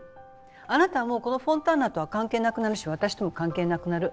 あなたはもうこのフォンターナとは関係なくなるし私とも関係なくなる。